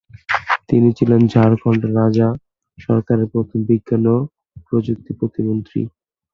তিনি ছিলেন ঝাড়খণ্ড রাজ্য সরকারের প্রথম বিজ্ঞান ও প্রযুক্তি মন্ত্রী।